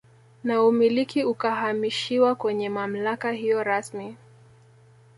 Na umiliki ukahamishiwa kwenye mamlaka hiyo rasmi